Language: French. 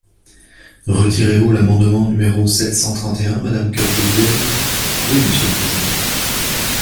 Retirez-vous l’amendement numéro sept cent trente et un, madame Capdevielle ? Oui, monsieur le président.